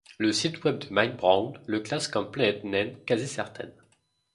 Le site web de Mike Brown le classe comme planète naine quasi certaine.